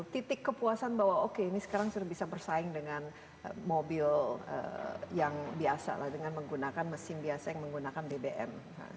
titik kepuasan bahwa oke ini sekarang sudah bisa bersaing dengan mobil yang biasa lah dengan menggunakan mesin biasa yang menggunakan bbm